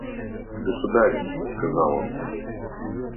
«Государь! – сказал он.